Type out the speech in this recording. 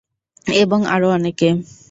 এবং আরো অনেকে।